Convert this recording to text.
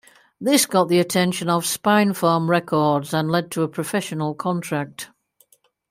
This got the attention of Spinefarm Records and led to a professional contract.